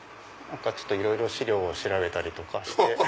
いろいろ資料を調べたりとかして。